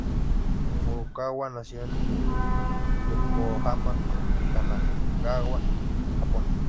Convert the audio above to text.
Furukawa nació en Yokohama, Kanagawa, Japón.